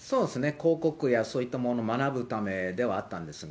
広告やそういったものを学ぶためではあったんですが。